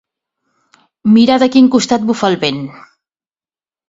Mirar de quin costat bufa el vent.